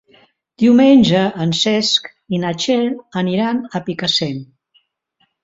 Diumenge en Cesc i na Txell aniran a Picassent.